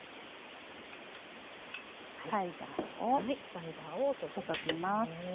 サイダーを注ぎますね。